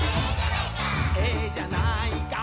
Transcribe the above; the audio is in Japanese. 「ええじゃないか」